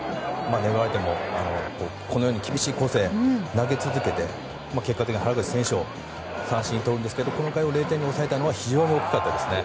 粘られてもこのように厳しいコースに投げ続けて結果的に原口選手を三振に打ち取るんですけどこの回を０点に抑えたのは非常に大きかったですね。